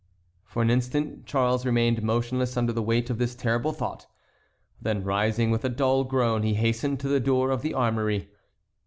For an instant Charles remained motionless under the weight of this terrible thought. Then, rising with a dull groan, he hastened to the door of the armory.